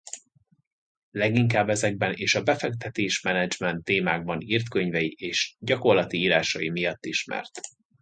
Leginkább ezekben és a befektetés menedzsment témákban írt könyvei és gyakorlati írásai miatt ismert.